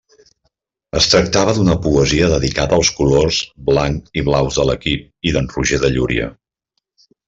Es tractava d'una poesia dedicada als colors blanc-i-blaus de l'equip i d'en Roger de Llúria.